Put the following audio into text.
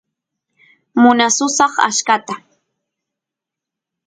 munasusaq achkata